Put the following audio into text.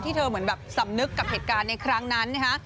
เธอเหมือนแบบสำนึกกับเหตุการณ์ในครั้งนั้นนะฮะ